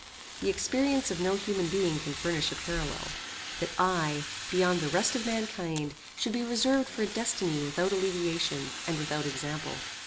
The experience of no human being can furnish a parallel: That I, beyond the rest of mankind, should be reserved for a destiny without alleviation, and without example!